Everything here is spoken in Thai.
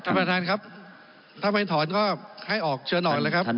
ท่านประธานครับถ้าไม่ถอนก็ให้ออกเชิญออกเลยครับ